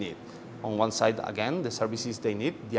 di satu sisi perusahaan yang mereka butuhkan